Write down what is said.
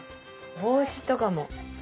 帽子とかも。